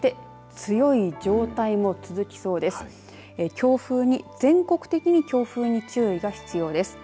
強風に、全国的に強風に注意が必要です。